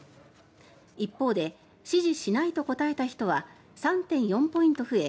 一方で支持しないと答えた人は３．４ポイント増え